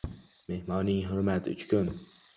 • Mehmonning hurmati uch kun.